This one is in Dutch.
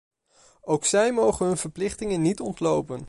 Ook zij mogen hun verplichtingen niet ontlopen.